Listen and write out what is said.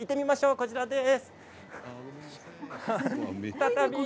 こちらです。